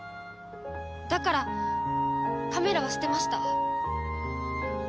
だからカメラは捨てました。